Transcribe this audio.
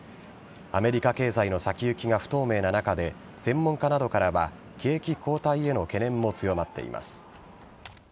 アメリカ経済の先行きが不透明な中で専門家などからは景気後退への懸念も強まっています。